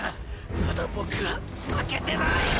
まだ僕は負けてない。